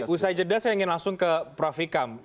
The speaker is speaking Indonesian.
usai jeda saya ingin langsung ke prof hikam